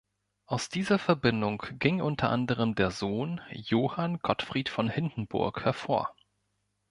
Aus dieser Verbindung ging unter anderen der Sohn "Johann Gottfried von Hindenburg" hervor.